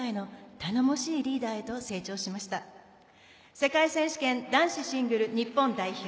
世界選手権男子シングル日本代表